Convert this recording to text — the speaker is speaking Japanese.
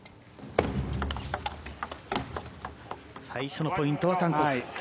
最初のポイントは韓国。